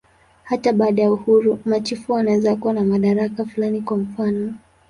Hata baada ya uhuru, machifu wanaweza kuwa na madaraka fulani, kwa mfanof.